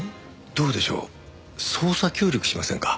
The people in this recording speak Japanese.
どうでしょう捜査協力しませんか？